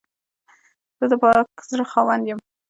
زه د پاک زړه خاوند یم.